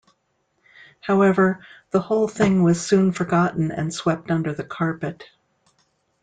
However, the whole thing was soon forgotten and swept under the carpet.